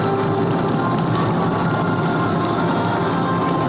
kami ingin meminta ketua umum dpp partai golkar